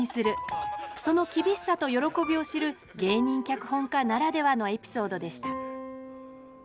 その厳しさと喜びを知る芸人脚本家ならではのエピソードでした。